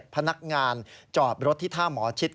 พนักงานจอดรถที่ท่าหมอชิด